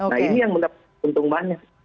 nah ini yang mendapat untung banyak